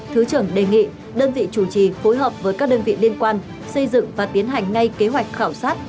thứ trưởng đề nghị đơn vị chủ trì phối hợp với các đơn vị liên quan xây dựng và tiến hành ngay kế hoạch khảo sát